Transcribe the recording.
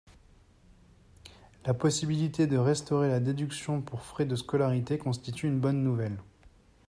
La possibilité de restaurer la déduction pour frais de scolarité constitue une bonne nouvelle.